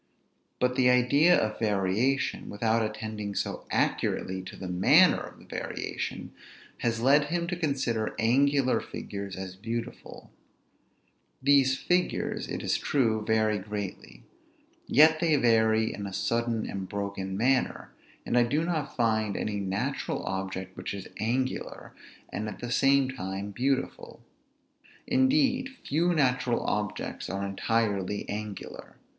But the idea of variation, without attending so accurately to the manner of the variation, has led him to consider angular figures as beautiful; these figures, it is true, vary greatly, yet they vary in a sudden and broken manner, and I do not find any natural object which is angular, and at the same time beautiful. Indeed, few natural objects are entirely angular.